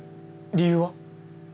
理由は？